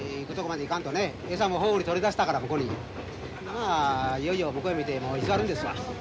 まあいよいよ向こうやめて居座るんですわ。